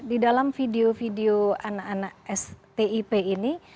di dalam video video anak anak stip ini